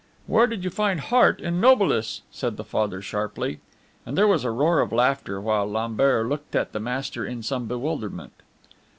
"Where do you find 'heart' in nobilis?" said the Father sharply. And there was a roar of laughter, while Lambert looked at the master in some bewilderment.